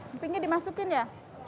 empingnya dimasukin ya